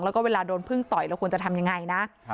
แล้วก็เวลาโดนพึ่งต่อยเราควรจะทำยังไงนะ